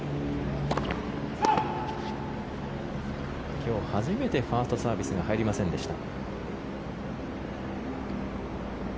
今日初めてファーストサービスが入りませんでした。